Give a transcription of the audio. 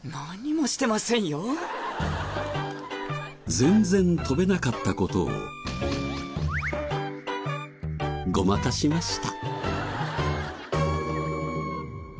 全然跳べなかった事をごまかしました。